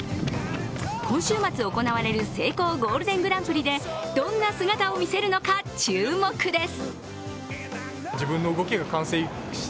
今週末行われるセイコーゴールデンＧＰでどんな姿を見せるのか注目です。